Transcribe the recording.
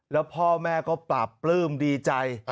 แล้วพ่อแม่ก็ปราบปลื้มดีใจ